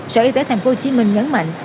sở y tế tàm cô hồ chí minh nhấn mạnh